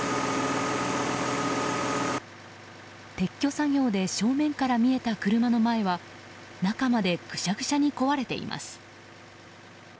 撤去作業で正面から見えた車の前は中までぐしゃぐしゃに壊れています。